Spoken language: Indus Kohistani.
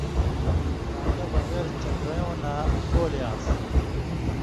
دھان٘کہ بغېر چھترئیوں نہ اولے آن٘س